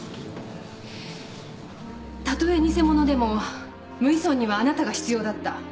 たとえ偽者でも無医村にはあなたが必要だった。